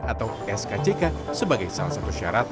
atau skck sebagai salah satu syarat